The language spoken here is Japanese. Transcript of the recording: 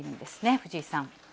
藤井さん。